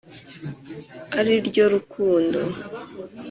Ari ryo rukundo.